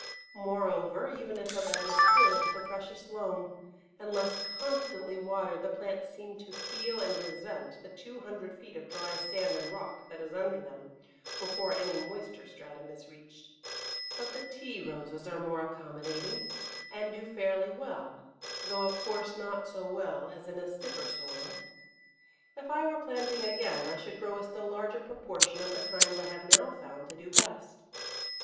Moreover, even if a bed is filled with the precious loam, unless constantly watered the plants seem to feel and resent the two hundred feet of dry sand and rock that is under them before any moister stratum is reached. But the Tea Roses are more accommodating, and do fairly well, though, of course, not so well as in a stiffer soil. If I were planting again I should grow a still larger proportion of the kinds I have now found to do best.